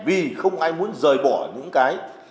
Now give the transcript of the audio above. vì không ai muốn rời bỏ những cái